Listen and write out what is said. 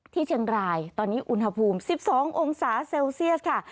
ที่เชียงรายตอนนี้อุณหภูมิ๑๒องศาเซลเซียสค่ะ